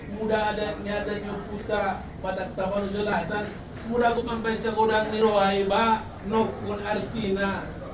muda ada nyata nyukusta pada tahun selatan muda kupembicakudang niroa hebah nukun artina